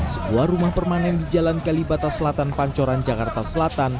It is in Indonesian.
sebuah rumah permanen di jalan kalibata selatan pancoran jakarta selatan